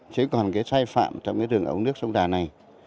chứ còn cái sai phạm trong cái đường ống nước sông đà này